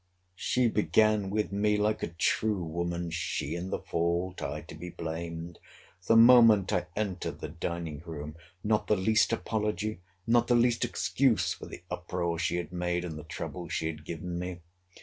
She began with me like a true woman, [she in the fault, I to be blamed,] the moment I entered the dining room: not the least apology, not the least excuse, for the uproar she had made, and the trouble she had given me.